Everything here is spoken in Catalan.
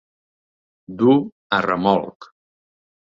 Dur a remolc.